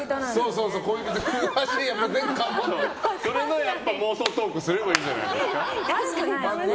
それの妄想トークすればいいんじゃない？